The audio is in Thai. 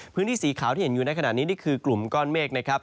พื้นที่สีขาวที่เห็นอยู่ในขณะนี้นี่คือกลุ่มก้อนเมฆนะครับ